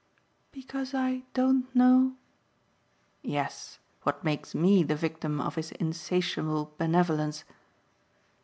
"Because I don't know ?" "Yes, what makes ME the victim of his insatiable benevolence."